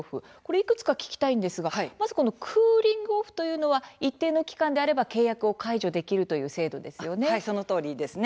いくつか聞きたいんですがクーリング・オフというのは一定の期間であれば契約を解除できる制度ですよね。